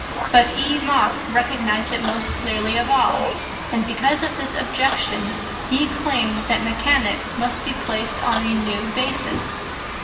But E. Mach recognsed it most clearly of all, and because of this objection he claimed that mechanics must be placed on a new basis.